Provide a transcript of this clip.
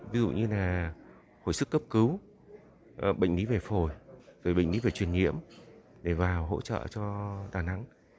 ví dụ như là hồi sức cấp cứu bệnh lý về phổi rồi bệnh lý về truyền nhiễm để vào hỗ trợ cho đà nẵng